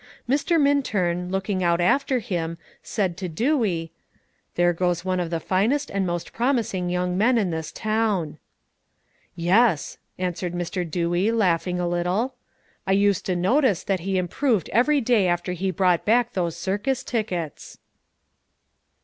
Mr. Minturn, looking out after him, said to Mr. Dewey, "There goes one of the finest and most promising young men in this town." "Yes," answered Mr. Dewey, laughing a little; "I used to notice that he improved every day after he brought back those circus tickets."